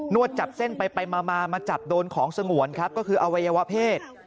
วดจับเส้นไปมามาจับโดนของสงวนครับก็คืออวัยวะเพศ